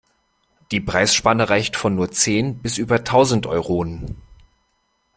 Die Preisspanne reicht von nur zehn bis über tausend Euronen.